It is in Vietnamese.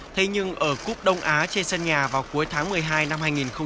thế nhưng ở cúp đông á chê sân nhà vào cuối tháng một mươi hai năm hai nghìn một mươi bảy